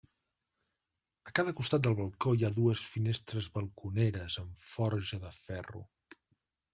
A cada costat del balcó, hi ha dues finestres balconeres amb forja de ferro.